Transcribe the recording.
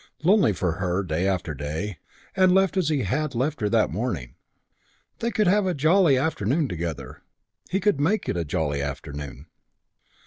Lonely for her, day after day, and left as he had left her that morning. They could have a jolly afternoon together. He could make it a jolly afternoon.